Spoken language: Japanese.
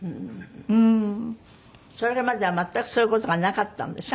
それまでは全くそういう事がなかったんでしょ？